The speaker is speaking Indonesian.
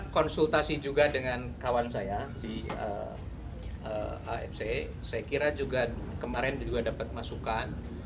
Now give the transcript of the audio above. kawan saya di afc saya kira juga kemarin dia juga dapat masukan